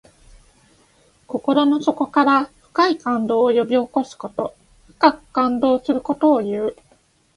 心の底から深い感動を呼び起こすこと。深く感動することをいう。